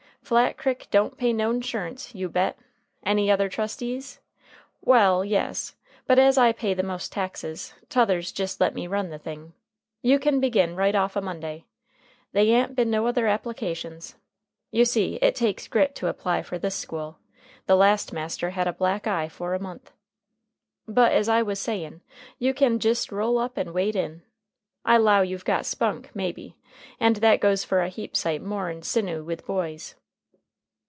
Flat Crick don't pay no 'nsurance, you bet! Any other trustees? Wal, yes. But as I pay the most taxes, t'others jist let me run the thing. You can begin right off a Monday. They a'n't been no other applications. You see, it takes grit to apply for this school. The last master had a black eye for a month. But, as I wuz sayin', you can jist roll up and wade in. I 'low you've got spunk, maybe, and that goes for a heap sight more'n sinnoo with boys.